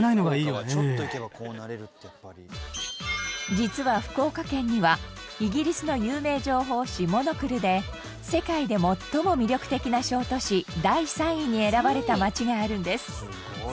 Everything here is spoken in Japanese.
実は福岡県にはイギリスの有名情報誌『ＭＯＮＯＣＬＥ』で世界で最も魅力的な小都市第３位に選ばれた街があるんです。